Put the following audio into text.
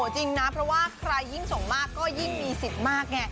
จริงนะเพราะว่าใครยิ่งส่งมากก็ยิ่งมีสิทธิ์มากไง